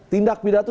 tindak pidana itu